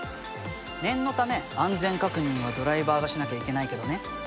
念のため安全確認はドライバーがしなきゃいけないけどね。